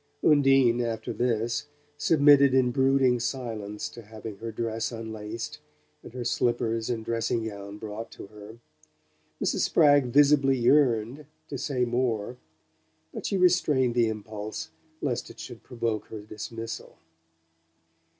Undine, after this, submitted in brooding silence to having her dress unlaced, and her slippers and dressing gown brought to her. Mrs. Spragg visibly yearned to say more, but she restrained the impulse lest it should provoke her dismissal.